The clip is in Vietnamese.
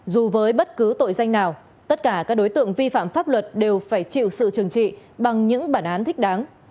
dù với bất cứ tội danh nào tất cả các đối tượng vi phạm pháp luật đều phải chịu sự trừng trị bằng những bản án thích đáng